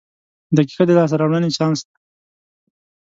• دقیقه د لاسته راوړنې چانس دی.